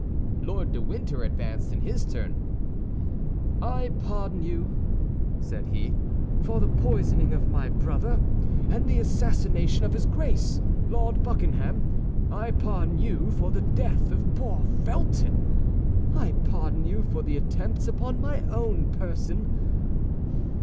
Lord de Winter advanced in his turn. "I pardon you," said he, "for the poisoning of my brother, and the assassination of his Grace, Lord Buckingham. I pardon you for the death of poor Felton; I pardon you for the attempts upon my own person.